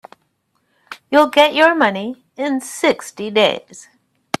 You'll get your money in sixty days.